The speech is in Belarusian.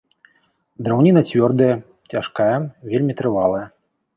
Драўніна цвёрдая, цяжкая, вельмі трывалая.